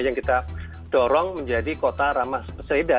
yang kita dorong menjadi kota ramah peseda